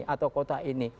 atau kota ini